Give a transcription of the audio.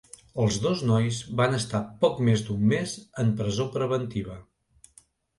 Els dos nois van estar poc més d’un més en presó preventiva.